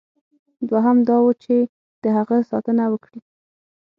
دوهم دا وه چې د هغه ساتنه وکړي.